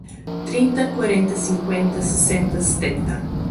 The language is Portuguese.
Trinta, quarenta, cinquenta, sessenta, setenta